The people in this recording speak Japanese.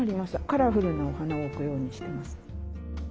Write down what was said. カラフルなお花を置くようにしてます。